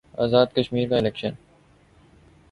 آزاد کشمیر کا الیکشن